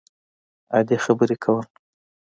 عادي خبرې کول